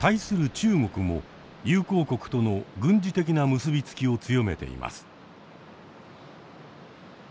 中国も友好国との軍事的な結び付きを強めています。